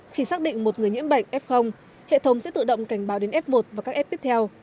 khi xác định một người nhiễm bệnh f hệ thống sẽ tự động cảnh báo đến f một và các f tiếp theo